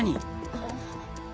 あっ？